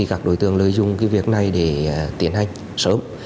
các đối tượng lợi dụng việc này để tiến hành sớm